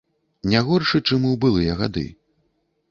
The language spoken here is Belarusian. Не горшы, чым у былыя гады.